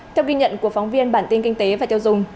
theo ghi nhận của phóng viên bản tin kinh tế và tiêu dùng